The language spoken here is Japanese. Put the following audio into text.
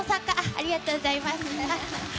ありがとうございます。